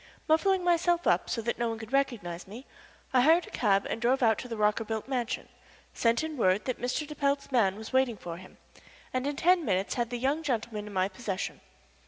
Muffling myself up so that no one could recognize me, I hired a cab and drove out to the Rockerbilt mansion, sent in word that Mr. de Pelt's man was waiting for him, and in ten minutes had the young gentleman in my possession.